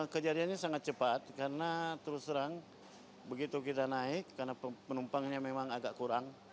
kejadiannya sangat cepat karena terus terang begitu kita naik karena penumpangnya memang agak kurang